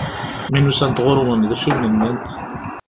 Mi n-usant ɣur-wen, d acu i awen-nnant?